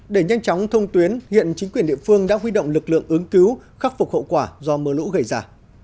để nhanh chóng thông tuyến hiện chính quyền địa phương đã huy động lực lượng ứng cứu khắc phục hậu quả do mưa lũ gây ra